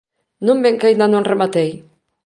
¿Non ven que aínda non rematei?